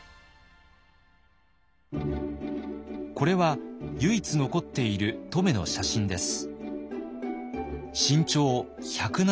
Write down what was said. これは唯一残っている乙女の写真です。